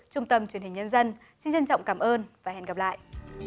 trung tâm truyền hình nhân dân xin trân trọng cảm ơn và hẹn gặp lại